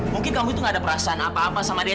mungkin kamu itu gak ada perasaan apa apa sama dia